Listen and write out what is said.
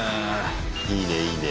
いいねいいね。